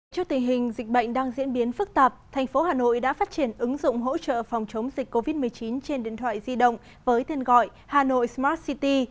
trước tình hình dịch bệnh đang diễn biến phức tạp thành phố hà nội đã phát triển ứng dụng hỗ trợ phòng chống dịch covid một mươi chín trên điện thoại di động với tên gọi hà nội smart city